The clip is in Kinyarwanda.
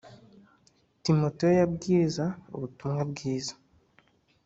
Timoteyo yabwiriza ubutumwa bwiza